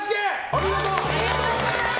お見事！